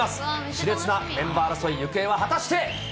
しれつなメンバー争い、行方は果たして。